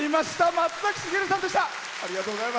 松崎しげるさんでした。